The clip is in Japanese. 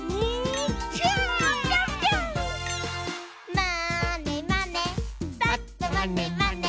「まーねまねぱっとまねまね」